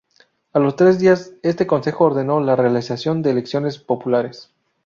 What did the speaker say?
A los tres días este Consejo ordenó la realización de elecciones populares.